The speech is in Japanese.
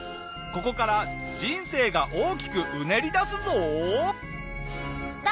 ここから人生が大きくうねりだすぞ！